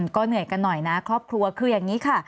ก็เหนื่อยกันหน่อยนะครอบครัวคืออย่างนี้ค่ะ